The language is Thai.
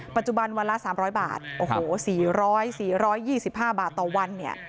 ปัจจุบันวันละ๓๐๐บาทโอ้โห๔๐๐๔๒๕บาทต่อวันเนี่ย